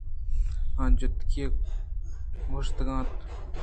آ جُتکی ءَ کِشک ءَ اِتنت